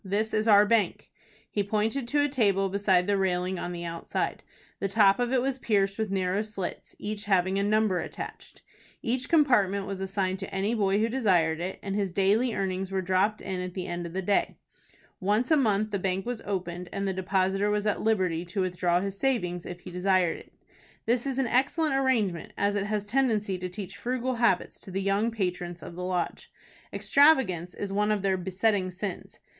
This is our bank." He pointed to a table beside the railing on the outside. The top of it was pierced with narrow slits, each having a number attached. Each compartment was assigned to any boy who desired it, and his daily earnings were dropped in at the end of the day. Once a month the bank was opened, and the depositor was at liberty to withdraw his savings if he desired it. This is an excellent arrangement, as it has a tendency to teach frugal habits to the young patrons of the Lodge. Extravagance is one of their besetting sins.